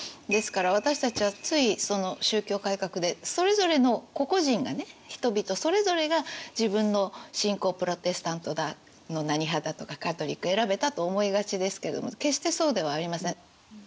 ですから私たちはついその宗教改革でそれぞれの個々人がね人々それぞれが自分の信仰プロテスタントだの何派だとかカトリック選べたと思いがちですけども決してそうではありません。